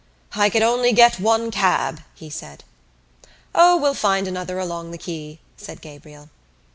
"I could only get one cab," he said. "O, we'll find another along the quay," said Gabriel.